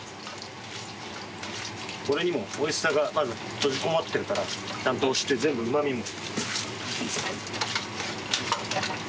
これにもおいしさが閉じこもってるからちゃんと押して全部うま味も。